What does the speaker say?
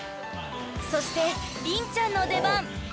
［そして凛ちゃんの出番。